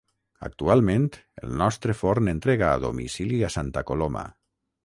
Actualment el nostre forn entrega a domicili a Santa Coloma.